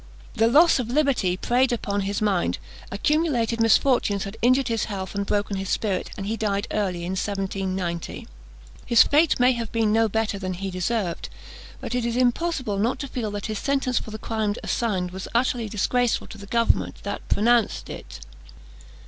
The loss of liberty preyed upon his mind accumulated misfortunes had injured his health and broken his spirit, and he died early in 1790. His fate may have been no better than he deserved, but it is impossible not to feel that his sentence for the crimes assigned was utterly disgraceful to the government that pronounced it.